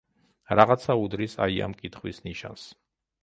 რაღაცა უდრის აი ამ კითხვის ნიშანს.